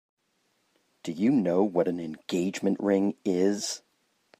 Do you know what an engagement ring is?